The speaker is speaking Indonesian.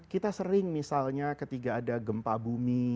kita sering misalnya ketika ada gempa bumi